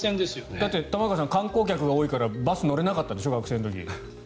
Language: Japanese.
だって玉川さん観光客が多いからバスに乗れなかったんでしょ？